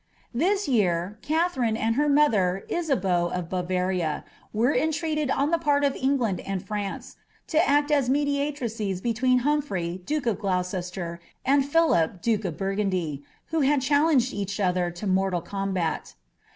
This year, Katherine,* and her mother, Isabeau of Bavaria, were en treated on the part of England and France to act as mediatrices between Humphrey duke of Gloucester and Philip duke of Burgundy, who had challenged each other to mortal combat.